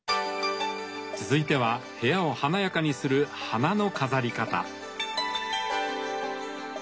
続いては部屋を華やかにする花の飾り方。